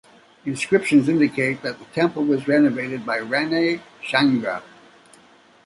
The inscriptions indicate that the temple was renovated by Rana Shanga.